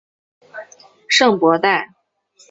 圣博代。